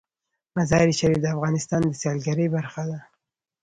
مزارشریف د افغانستان د سیلګرۍ برخه ده.